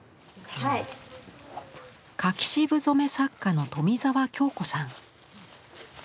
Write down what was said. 柿渋染め作家の冨沢恭子さん。